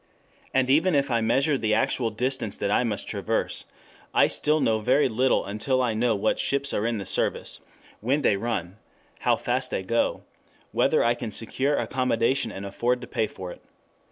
And even if I measure the actual distance that I must traverse, I still know very little until I know what ships are in the service, when they run, how fast they go, whether I can secure accommodation and afford to pay for it.